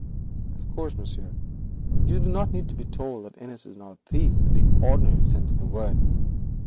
Of course, monsieur, you do not need to be told that Innis is not a thief in the ordinary sense of the word.